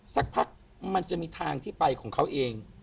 สักพักมันจะมีทางที่ไปของเขาเอง